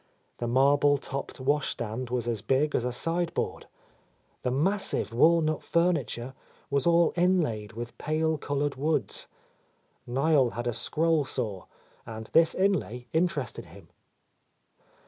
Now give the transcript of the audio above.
The marble topped washstand was as big as a side board. The massive walnut furniture was all in laid with pale coloured woods. Nlel had a scroll saw, and this inlay interested him.